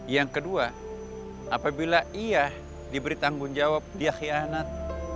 yang kedua apabila ia diberi tanggung jawab dia hianat